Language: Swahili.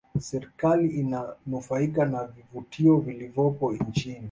serikali inanufaika na vivutio vilivopo nchini